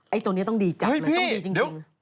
ไอ่ตรงนี้ต้องดีจังเลยต้องดีจริง